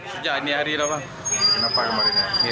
sejak hari ini kenapa kemarinnya